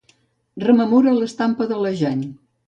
Rememora l'estampa de la Jane.